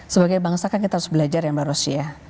sebagai bangsa kan kita harus belajar ya mbak rosy ya